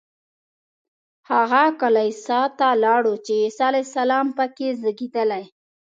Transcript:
هغه کلیسا ته لاړو چې عیسی علیه السلام په کې زېږېدلی.